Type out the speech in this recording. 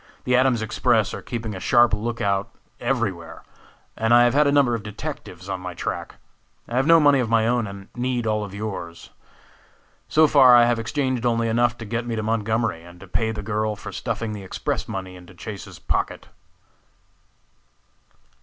The Adams Express are keeping a sharp lookout every where, and I have had a number of detectives on my track. I have no money of my own and need all of yours. So far I have exchanged only enough to get me to Montgomery, and to pay the girl for stuffing the Express money into Chase's pocket."